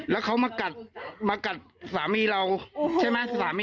แล้วเขามากัดสามีเราใช่ไหม